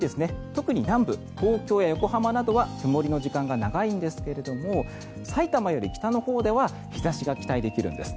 特に南部、東京や横浜などは曇りの時間が長いんですが埼玉より北のほうでは日差しが期待できるんです。